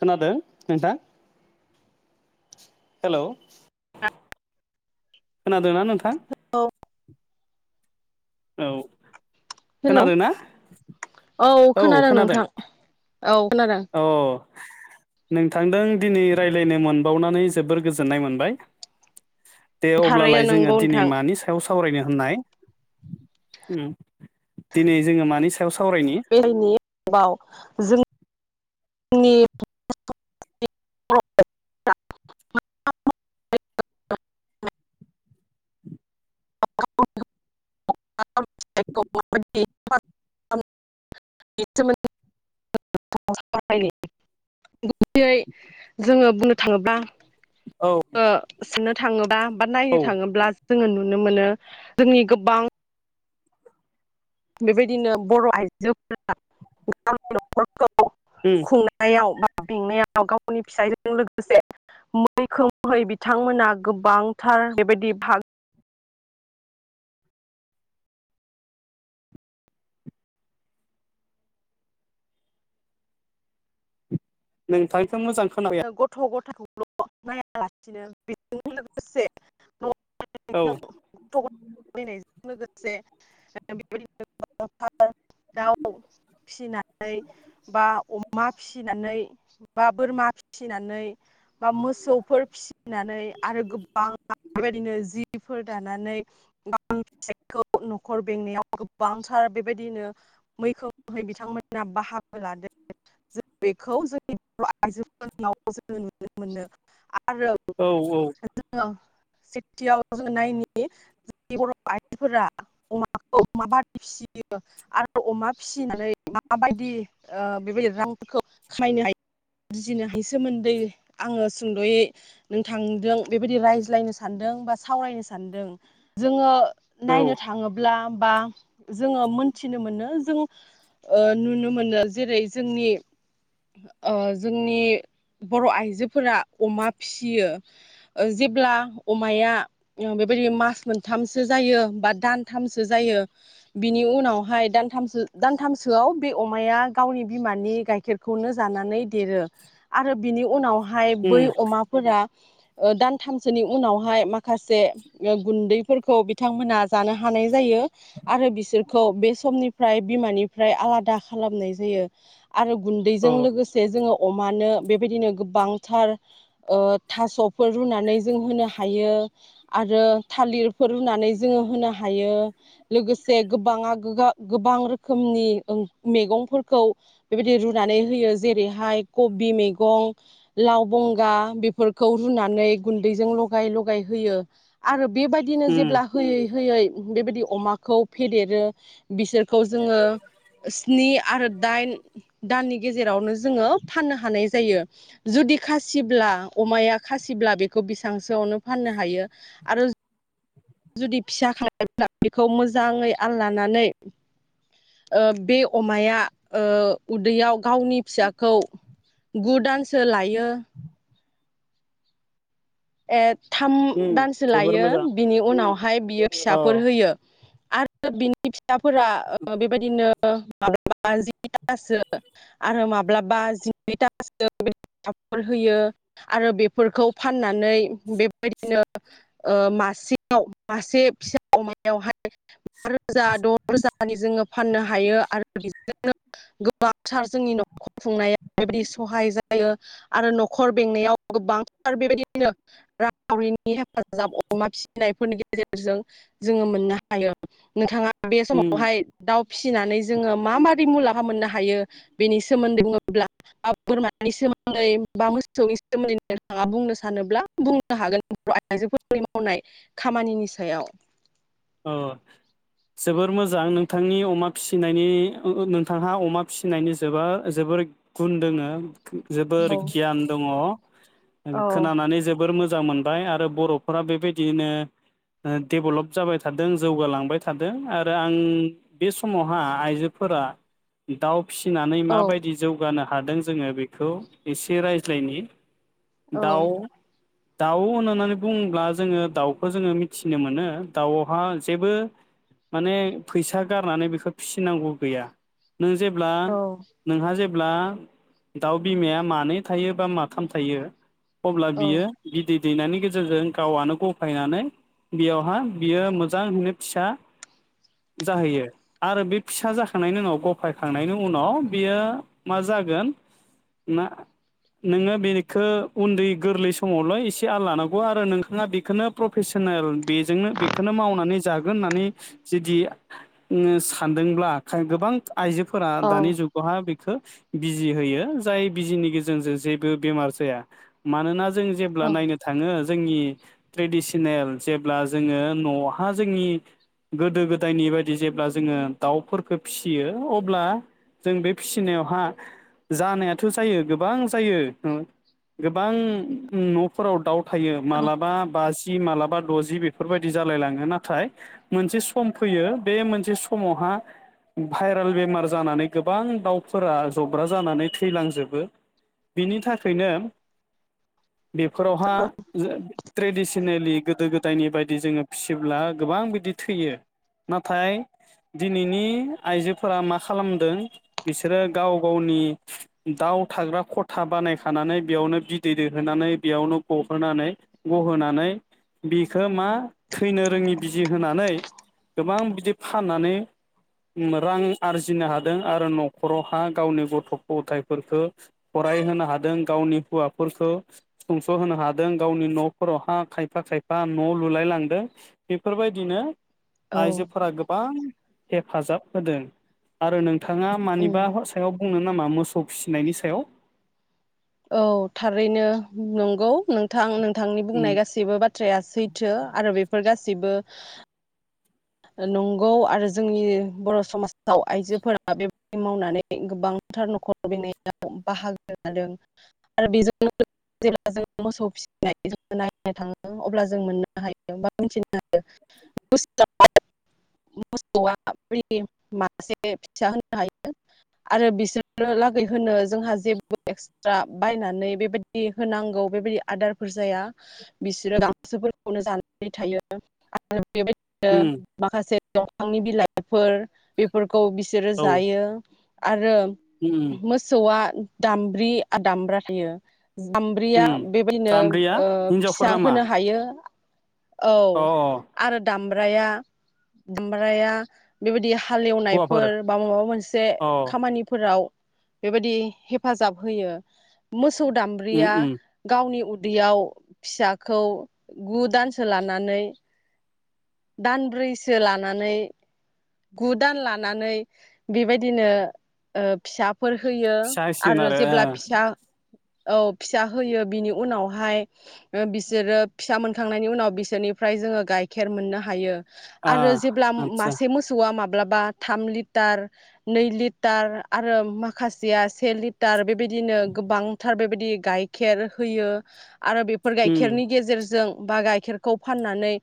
खोनादों नोंथां हेलौ। खोनादों ना नोंथां? औ औ। हेलौ खोनादोंना? औ खोनादों नोंथां। औ खोनादों। औ नोंथांदों दिनै रायज्लायनो मोनबावनानै जोबोर गोजोननाय मोनबाय। दे थारैनो अब्लालाय जोङो नंगौ दिनै नोंथां मानि सायाव साव सावरायनो होननाय उम दिनै जोङो मानि सा [unintelligible] जों नि [unintelligible] [unintelligible] [unintelligible] [unintelligible] [unintelligible] जोङो बुंनो थाङोब्ला औ ओ सानना थाङोबा नायनो औ थाङोब्ला जोङो नु नो मोनो जोंनि गोबां बेबायदिनो बर' आइजोफोरा गावनि न'खर खौ उम खुंनायाव बेंनायाव गावनि फिसायजों लोगोसे मैखोमहै बिथांमोना गोबांथार बेबायदि भाग नोंथांथ' मोजां खोनाबाय गथ' गथ खौल' नायालासिनो बेजों लोगोसे न' औ गथ' ग नायजों लोगोसे [inaudible] जे बेबायदिनो फा दाउ फिसिनाय [inaudible] बा अमा फिसिनानै बा बोरमा फि [inaudible] फिसिनानै बा मोसौफोर फिसि-' फाननानै आरो गोबां [inaudible] बिदिनो जिफोर दानानै फिखौ न'खर बेंनायाव गोबांथार बेबायदिनो मैखोमहै बिथांमोना बाहागो लादों जों बेखौ जोंनि बर आइजो फोरनि [inaudible] जोङो नुनो मोनो आ [inaudible] आरो औ औ जोड़ो [inaudible] सेथियाव जों नायनि जोंनि बर' आइजोफोरा अमाखौ माबादि फिसियो आरो अमा फिसिनानै माबायदि ओ बेबायदि रांफोरखौ खामायनो हायो [unintelligible] बुजिनो हाय सोमोन्दै आङो सुंद'यै नोंथांदों बेबायदि रायज्लायनो सानदों बा सावरायनो सानदों जोङो नायनो थाङोब्ला बा जोङो मोनथिनो मोनो जोंड़ो ओ नुनो मोनो जेरै जोंनि ओ जोंनि बर' आइजोफोरा अमा फिसियो ओ जेब्ला अमाया बेबायदि मास मोनथामसो जायो बा दानथामसो जायो बिनि उनावहाय दथामसो दानथामसोआव बे अमाया गावनि बिमानि गाइखेरखौनो जानानै देरो आरो बिनि उनाव हाय बै अमाफोरा ओ दानथामसोनि उनावहाय माखासे ओ गुन्दैफोरखौ बिथांमोना जानो हानाय जायो आरो बिसोरखौ बे समनिफ्राय बिमानिफ्राय आलादा खालामनाय जायो । आरो गुन्दैजों औ लोगोस जोङो अमानो बेबायदिनो गोबांथार ओ थास'फोर रुनानै जोङो होनो हायो आरो थालिरफोर रुनानै जोङो होनो हायो । लोगोसे गोबांआ गोगा गोबां रोखोमनि ओं मैगंफोरखौ बेबायदि रुनानै होयो । जेरैहाय कबि मैगं लाव बंगा बेफोरखौ रुनानै गुन्दैजों लगाय लगाय होयो आरोब बेबायदिनो जेब्ला औ होयै होयै बेबायदि अमाखौ फेदेरो। बिसोरखौ जोङो स्नि आरो दाइन दाननि गेजेरावनो जोङो फाननो हानाय जायो जुदि खासिब्ला अमाया खासिब्ला बेखौ बिसां सोआवनो फाननो हायो आरो जुदि फिसा बेखौ मोजाङै आल लानानै ओ बे अमाया ओ उदैयाव गावनि फिसाखौ गु दानसो लायो । [inaudible] एद थाम दानसो जोबोर लायो मोजां बिनि उनावहाय बियो अ फिसाफोर होयो । आरो बिनि फिथ [inaudible] फिसाफोरा ओ बेबायदिनो [inaudible] आरो माब्लाबा जिनै दानसो होयो आरो बेफोरखौ फानना नै बेबायदिनो ओ मासेयाव मासे फिसा अमायावहाय [inaudible] बा रोजा द' रोजानि जोङो [inaudible] फाननो हायो आरो बिजोंनो गोबांथार जोंनि न'खर खुंनाया बेबायदि सहाय जायो आरो न'खर बेंनायाव गोबांथार बेबायदि [inaudible] रावरिनि हेफाजाब अमा फिसिनायफोरनि गेजेरजों जोङो मोननो हायो नोंथाङा [inaudible] बे उम समावहाय दाउ फिसिनानै जोङो मा मा दि मुलामफ [inaudible] हाब मोननो हायो बेनि सोमोन्दै बुङोब्ला बा बोरमानि सोमोन्दै बा मोसौनि सोमोन्दै नोंथाङा बुंनोस [inaudible] सानोब्ला बुंनो हागोन बर'आइजोफोरनि मावनाय खामानिनि सायाव। ओ जोबोर मोजां नोंथांनि अमा फिसिनायनि ओ ओ नोंथांहा अमा फिसिनायनि जोबा जोबोर गुन दोंङो । जोबोर औ गियान दंङ, औ खोनानानै जोबोर मोज मोजां मोनबाय आरो बर'फोरा बे बायदिनो ओ दे'ब्लब जाबाय थादों जौगालांबाय थादों आरो आं बे समावहा आइजो फोरा दाव फिसिनानै औ माबायदि जौगानो हादों जोंङो बेखौ एसे रायज्लायनि औ दाव दाव होननानानै बुंङोब्ला जोंङो दावखौ जोंङो मिथिनो मोनो दाव बा ओन से बो माने फैसा गारनानै बेखौ फिसिनांगौ गैया। नों जेब्ला औ नोंहा जेब ब्ला दाव बिमाया मानै थायो बा माथाम थायो अब्ला औ बियो बिदिद दै नायनि गेजेरजों गावनो गफायनानै बेयावहा बियो मोजां हैनो फिसा जाहैयो, आरो बे फिसा जाखांनायनि उनाव गफाय खांनायनि उनाव बियो मा जागोन नोंङो बिखो उन्दै गोरलै समाव ल' आल लानांगौ आरो नोंखांया बिखोनो फ्रफिसेेनेल बेजोंनो बे खौनो मावनानै जागोन होननानै जुदि उम सानदोंब्ला खाय गोबां आइजोफोरा दानि जुगावहा बे खो बिजि होयो जाय बिजिनि गेजेर जों जेबो बेमार जाया मानोना जों जेब्ला औ नायनो थांङो जोंनि ट्रेडिसनेल जेब्ला जोंङो न'हा जोंनि गोदो गोदायनि बायदि जेब्ला जोंङो दाव फोरखौ फिसियो अब्ला जों बे फिसिनायावहा जानायाथ' जायो गोबां जायो ओ गोबां न'फोराव दाव फाययो औ मालाबा बाज जि मालाबा द'जि बेफोरबाय दि जालायलांङो नाथाय मोनसे सम फैयो बे मोनसे समावहा भाइरेल बेमार जानानै गोबां दाव फोरा जब्रा जानानै थैलांजोबो बिनि थाखायनो बेफोरावहा जो ट्रेडिसनेलि गोदो गोद दायनि बाय दि जोंङो फिसिब्ला गोबां बिदि थैयो नाथाय दिनैनि आइजोफोरा मा खालामदों बिसोरो गाव गावनि दाव थाग्रा खथा बानायखानानै बेयावनो बिदै दैहोनानै बेयावनो गहोनानै गहोनानै बिखौ मा थैनो रोंङि बिजि होनानै गोबां बिदि फाननानै रां आरजिनो हादों आरो न'खरावहा गावनि गथ' गथायफोरखौ फरायहोनो हादों गावनि हौवाफोरफोरखौ सुंस'होनो हादों गावनि न'फोरावहा खायफा खायफा न' लुलाय लां दो बेफोरबायदिनो औ आइजोफोरा गोबां हेफाजाब होदों आरो नों थांङा मानिबा उम सायाव बुंनो नाम मा मोसौ फिसिनायनि सायाव औ थारैनो नंगौ। नोंथां नों थांनि उम बुंनाय गासैबो बाथ्राया सैथो आरो बेफोर गासै सिबो नंगौ आरो जोंनि बर' समाजाव आइजोफोरा बेबायदि मावनानै गोबांथार न'खर लुबैनायाव बाहागो लादों आरो बेजों जेब्ला जों मोसौ फिसिनाय नायनो थाङो अब्ला जों मोननो हायो बा मिथिनो हायो [inaudible] [inaudible] उम माखासे-' दंफांनि बिलाइ [inaudible] फोर बेफोरखौ बिसोरो औ जायो। [inaudible] आरो उम मोसौ आ। दामब्रि आरो दामब्रा थायो। जामब्रिया उम बेबायदिनो जाम्ब्रिया हिनजावफोर फिसा नामा होनो हायो। औ अ आरो दामब्राया दामब्राया बेबायदि [inaudible] हौवाफोर हालेवनायफोर बा माबा मोनसे अ खामानिफोराव बेबायदि हेफाजाब होयो मोस- औ उम दामब्रिया उम गावनि उ- दैयाव फिसाखौ गु दानसो लानानै दानब्रैसो लानानै गु दान लानानै बेबायदिनो अ फिसा- फोर होयो फिसा होसिगोन आरो जेब्ला ओ फिसा औ फिसा होयो बिनि उनावहाय बिसोरो फिसा मोनखांनायनि उनाव बिसोरनिफ्राय जोङो गाइखेर मोननो हायो । ओ आरो जेब्ला आदसा मास मोसौआ माब्लाबा थाम लिटार नै लिटार आरो माखासेआ से लिटार-' बिदिनो गोबांथार बे बिदि गाइखेर होयो। आरो बेफोर उम गाइखेरनि गेजेरजों बा गाइखेरखौ फाननानै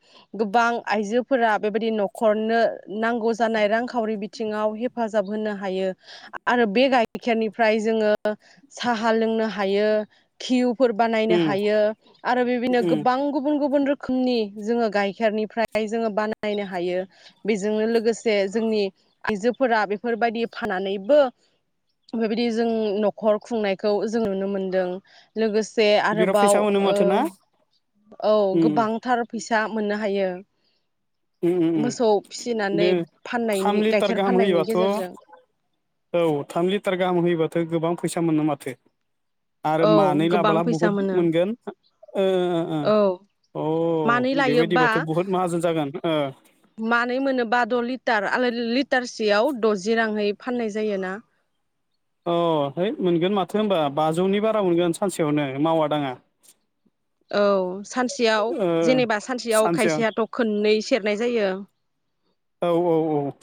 गोबां आइजोफोरा बेबायदि न'खरनो नांगौ जानाय रांखावरि बिथिङाव हेफाजाब होनो हायो आरो बे गाइखेरनिफ्राय जोङो साहा लोंनो हायो घिउ फोर बानायनो उम हायो आरो बिदिनो उम गोबां गुबुन गुबुन रो खोमनि जोङो गाइखेरनिफ्राय जोङो बानायनो हायो। बेजोंनो लोगोसे जोंनि आइजोफोरा बेफोरबायदि फानानैबो बेबायदि जों न'खर खुंनायखौ जों नुनो मोनदों लोगोस से बिराद फैसा आरोबाव मोनो औ माथो ना औ उम गोबांथार फैसा मोननो हायो। उम उम मोसौ उम। दे फिसिनानै फाननायनि थाम लिटार गाइखेर गाहाम फाननायनि होयोबाथ' गेजेरजों औ थाम लिटार गाहाम होयोबा गोबां फैसा मोनो माथो। आरो औ मानै गोबां लाब्ला फैसा बुहुद मोनो मोनगोन उ उ औ उ मानै अ लायोबा बेबायदिबाथ' बुहुद माहाजोन जागोन। मानै मोनो बा द' लिटार लिटारसेयाव द'जि राङै फाननाय जायोना। अ है मोनगोन मा- थो होनबा बाजौनि बा रा मोनगोन सानसेयावनो मावा दाङा औ सानसेयाव ओ जेनेबा सानसेयाव खायसेयाथ' खननै सेरनाय जायो। औ औ औ।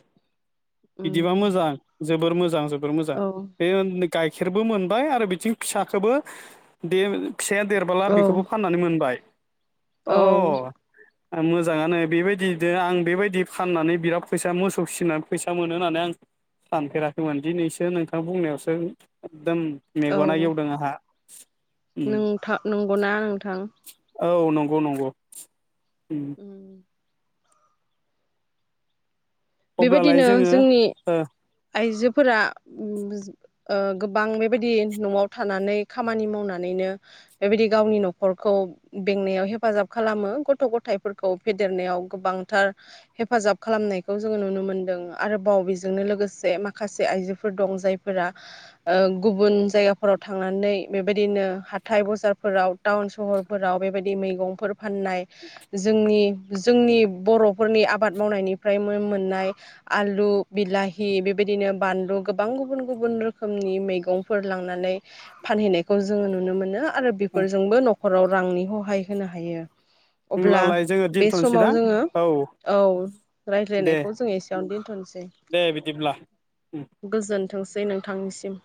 बिदिबा उम मोजां। जोबोर मोजां जोब बोर मोजां औ बे उननि गाइखेरबो मोनबाय आरो बिथिं फिसाखोबो दे फिसाया देरबोला औ बेखौबो फाननानै मोनबाय। अ। औ आं मोजाङानो बेबायदिनो आं बेबायदि फाननानै बिराद फैसा मोसौ फिसिना फैसा मोनो होननानै आं सानफेराखैमोन दिनैसो नोंथां बुंनायावसो एकदम मेगना गेवदों आंहा। उम नोंथां नंगौना नोंथां? औ नंगौ नंगौ। उम। [inaudible] अब्लालाय बेबायदिनो जोङो जोंनि ओ आइजो फोरा ओम ओ गोबां बेबायदि न'आव थानानै खामानि मावनानैनो बेबायदि गावनि न'खरखौ बेंनायाव हेफाजाब खालामो। गथ' गथायफोरखौ फेदेरनायाव गोबांथार हेफाजाब खालामनाय खौ जोङो नुनो मोनदों। आरोबाव बेजोंनो लोगोसे माखासे आइजोफोर दं जायफोरा गुबुन जायगाफोराव थांनानै बेबायदिनो हाथाय बजारफोराव टाउन सहरफोराव बेबायदि मैगंफोर फाननाय जोंनि जोंनि बर'फोरनि आबाद मावनायनि फ्राय मोन- मोननाय आलु, बिलाहि बेबायदिनो बानलु गोबां गुबुन गुबुन रोखोमनि मैगंफोर लांनानै फानहैनायखौ जोङो नुनो मोनो। आरो बेफोरजोंबो न'खराव रांनि हहाय होनो हायो। अब्ला होमब्लालाय जोङो बे दोनथ'नोसै समाव दां जोङो औ औ। दे रायज्लायनायखौ जों एसेयावनो दोनथ'नोसै दे बिदिब्ला गोजोनथों नोंथांनिसिम।